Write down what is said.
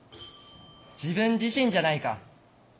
自分自身じゃないか。